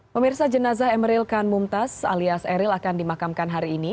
pemirsa jenazah emeril kan mumtaz alias eril akan dimakamkan hari ini